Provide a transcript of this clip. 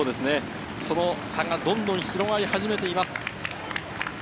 その差がどんどん広がり始めています。